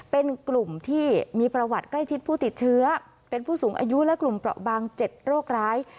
เป็นกลุ่มที่มีประวัติใกล้ชิดผู้ติดเชื้อเป็นผู้สูงอายุและกลุ่มเปราะบาง๗โรคร้าย